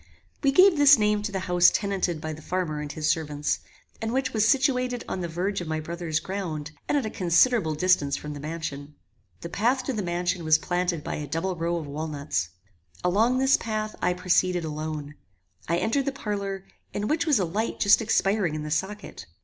We gave this name to the house tenanted by the farmer and his servants, and which was situated on the verge of my brother's ground, and at a considerable distance from the mansion. The path to the mansion was planted by a double row of walnuts. Along this path I proceeded alone. I entered the parlour, in which was a light just expiring in the socket.